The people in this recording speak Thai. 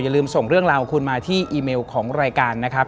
ลืมส่งเรื่องราวของคุณมาที่อีเมลของรายการนะครับ